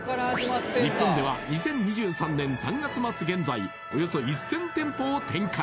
日本では２０２３年３月末現在およそ１０００店舗を展開